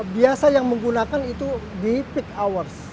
biasa yang menggunakan itu di peak hours